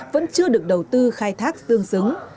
vẫn chưa được đầu tư khai thác tương xứng